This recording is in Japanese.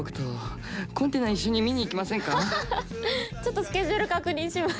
ちょっとスケジュール確認します。